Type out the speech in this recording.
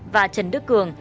và trần đức cường